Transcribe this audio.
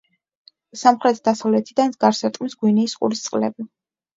სამხრეთ-დასავლეთიდან გარს ერტყმის გვინეის ყურის წყლები.